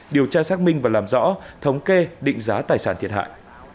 điều tra xác minh và làm rõ thống kê định giá tài sản thiệt hại